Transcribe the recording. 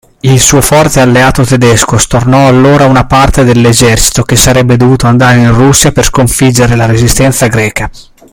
Il suo forte alleato tedesco stornò allora una parte dell'esercito che sarebbe dovuto andare in Russia per sconfiggere la resistenza greca.